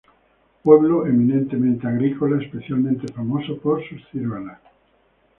Pueblo eminentemente agrícola, especialmente famoso por sus ciruelas.